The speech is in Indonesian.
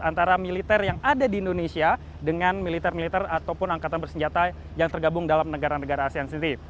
antara militer yang ada di indonesia dengan militer militer ataupun angkatan bersenjata yang tergabung dalam negara negara asean city